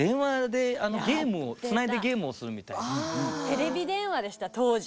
テレビ電話でした当時。